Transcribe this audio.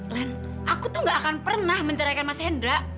len aku tuh gak akan pernah menceraikan mas hendra